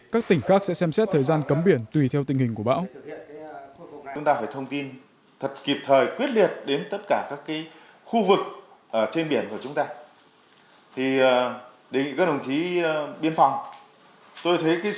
các tỉnh khác sẽ xem xét thời gian cấm biển tùy theo tình hình của bão